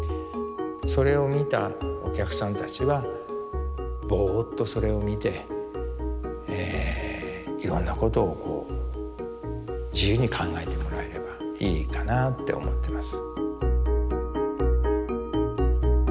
それを見たお客さんたちはぼっとそれを見てえいろんなことをこう自由に考えてもらえればいいかなって思ってます。